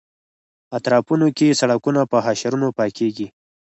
اطرافونو کې سړکونه په حشرونو پاکېږي.